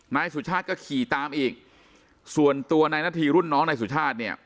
นายสุชาติก็ขี่ตามอีกส่วนตัวนายนาธีรุ่นน้องนายสุชาติเนี่ย